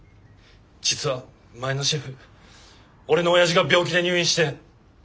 実は前のシェフ俺のおやじが病気で入院して。